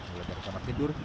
mulai dari kamar tidur